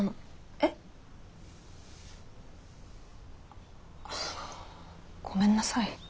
えっ？ごめんなさい。